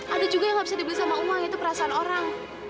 ada juga yang gak bisa dibeli sama uang itu perasaan orang